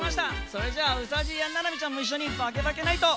それじゃうさじいやななみちゃんもいっしょに「バケバケＮｉｇｈｔ！」